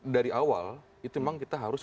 dari awal itu memang kita harus